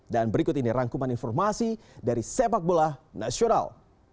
dan berikut ini rangkuman informasi dari sepak bola nasional